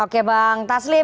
oke bang taslim